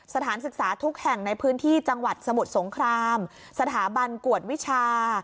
สถานศึกษาทุกแห่งในพื้นที่จังหวัดสมุทรสงครามสถาบันกวดวิชา